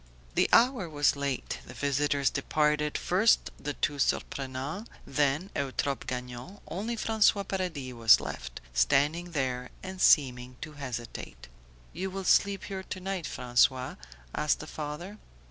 The hour was late; the visitors departed; first the two Surprenants, then Eutrope Gagnon, only François Paradis was left, standing there and seeming to hesitate. "You will sleep here to night, François?" asked the father.